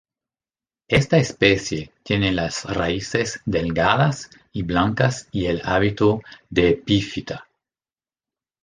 Esta especie tiene las raíces delgadas y blancas y el hábito de epífita.